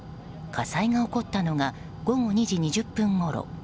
火災が起こったのが午後２時２０分ごろ。